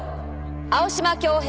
青島恭平。